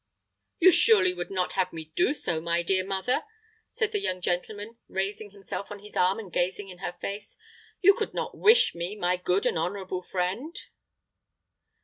"You surely would not have me do so, my dear mother?" said the young gentleman, raising himself on his arm, and gazing in her face. "You could not wish me, my good and honorable friend?"